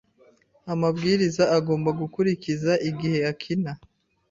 amabwiriza agomba gukurikiza igihe akina.